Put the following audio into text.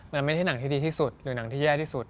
มันไม่ใช่หนังที่ดีที่สุดหรือหนังที่แย่ที่สุด